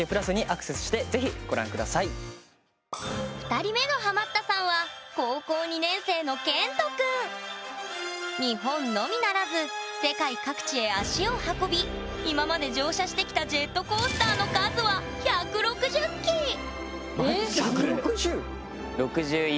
２人目のハマったさんは日本のみならず世界各地へ足を運び今まで乗車してきたジェットコースターの数はすっご！